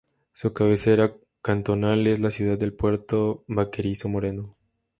Su cabecera cantonal es la ciudad de Puerto Baquerizo Moreno.